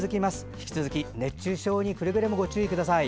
引き続き、熱中症にくれぐれもご注意ください。